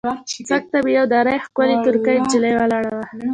څنګ ته مې یوه نرۍ ښکلې ترکۍ نجلۍ ولاړه وه.